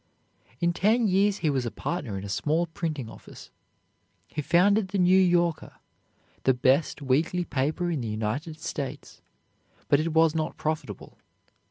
In ten years he was a partner in a small printing office. He founded the "New Yorker," the best weekly paper in the United States, but it was not profitable.